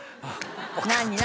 何？